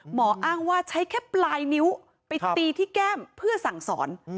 หมออ้างว่าใช้แค่ปลายนิ้วไปตีที่แก้มเพื่อสั่งสอน